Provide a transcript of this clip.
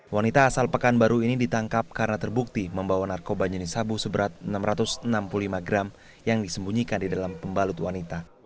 wanita asal pekanbaru ini ditangkap karena terbukti membawa narkoba jenis sabu seberat enam ratus enam puluh lima gram yang disembunyikan di dalam pembalut wanita